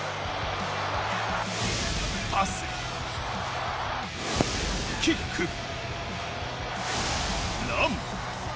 パス、キック、ラン。